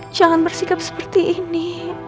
jangan bersikap seperti ini